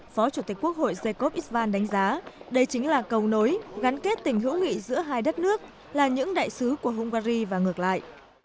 phó chủ tịch quốc hội jakov isvan đánh giá đây chính là cầu nối gắn kết tình hữu nghị giữa hai đất nước là những đại sứ của hungary và ngược lại